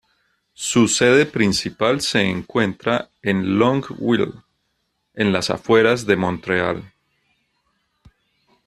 Su sede principal se encuentra en Longueuil, en las afueras de Montreal.